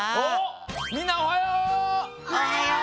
みんなおはよう！